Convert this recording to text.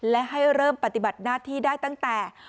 และให้เริ่มปฏิบัติหน้าที่ได้ตั้งแต่